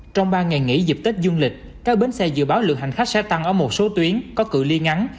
trong ba ngày nghỉ dịp tết dương lịch các bến xe dự báo lượng hành khách sẽ tăng ở một số tuyến có cự li ngắn